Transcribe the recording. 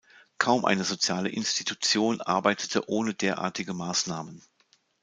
Kaum eine soziale Institution arbeitete ohne derartige Maßnahmen.